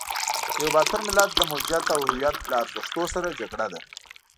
د یوه باتور ملت د موجودیت او هویت له ارزښتونو سره جګړه ده.